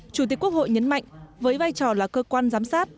chủ tịch quốc hội nhấn mạnh với vai trò là cơ quan giám sát